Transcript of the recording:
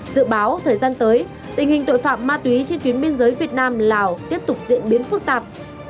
dự báo thời gian tới tình hình tội phạm ma túy trên tuyến biên giới việt nam lào tiếp tục diễn biến phức tạp